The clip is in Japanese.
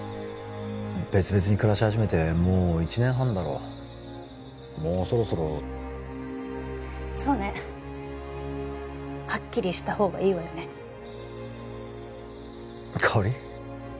別々に暮らし始めてもう１年半だろもうそろそろそうねはっきりした方がいいわよね香織？